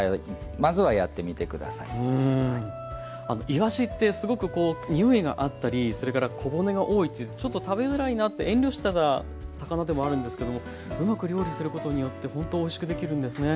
いわしってすごくこうにおいがあったりそれから小骨が多いっていってちょっと食べづらいなって遠慮してた魚でもあるんですけどもうまく料理することによってほんとおいしくできるんですね。